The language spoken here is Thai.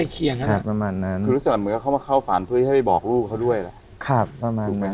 คือรู้สึกเหมือนเขาเข้าฝาญเพื่อให้บอกลูกเขาด้วย